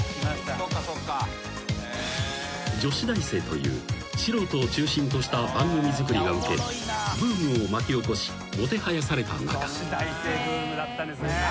［女子大生という素人を中心とした番組作りがウケブームを巻き起こしもてはやされた中］